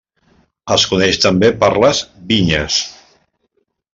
Es coneix també per les Vinyes.